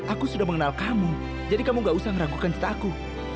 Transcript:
aku sudah mengenal kamu jadi kamu gak usah meragukan cita aku